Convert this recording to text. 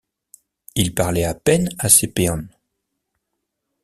Il parlait à peine à ses péons.